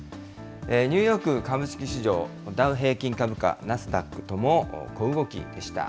ニューヨーク株式市場、ダウ平均株価、ナスダックとも小動きでした。